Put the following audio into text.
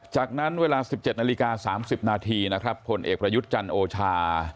จากนั้นเวลา๑๗นาฬิกา๓๐นาทีนะครับผลเอกประยุทธ์จันทร์โอชา